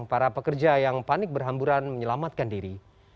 para pekerja yang panik berhamburan menyelamatkan diri